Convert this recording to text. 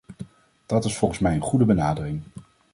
Dat is volgens mij een goede benadering.